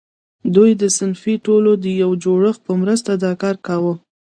دوی د صنفي ټولنو د یو جوړښت په مرسته دا کار کاوه.